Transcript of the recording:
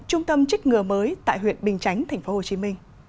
trung tâm chích ngừa mới tại huyện bình chánh tp hcm